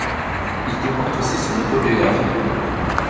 Il comporte aussi son autobiographie.